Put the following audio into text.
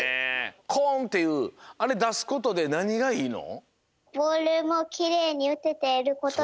コンっていうあれだすことでなにがいいの？